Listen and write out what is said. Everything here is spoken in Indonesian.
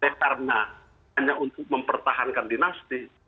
karena hanya untuk mempertahankan dinasti